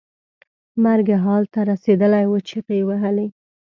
مرګ حال ته رسېدلی و چغې یې وهلې.